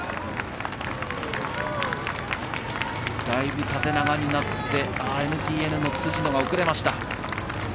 だいぶ、縦長になってＮＴＮの辻野が遅れました。